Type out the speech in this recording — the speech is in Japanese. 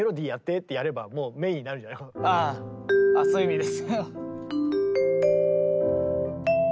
あそういう意味です。